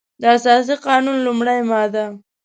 د اساسي قانون لمړۍ ماده